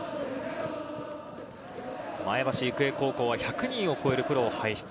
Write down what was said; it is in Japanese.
前橋育英高校は１００人を超えるプロを輩出。